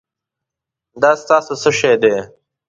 دا ستاسو څه شی دی؟